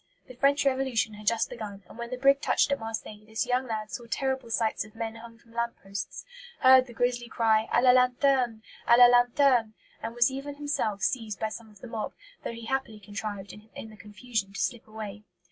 The French Revolution had just begun; and when the brig touched at Marseilles this young lad saw terrible sights of men hung from lamp posts; heard the grisly cry, "À la lanterne! à la lanterne!" and was even himself seized by some of the mob, though he happily contrived, in the confusion, to slip away.